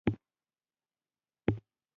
بزګر پر لیهمڅي اوږد وغځېد او پښه یې پورته کړه.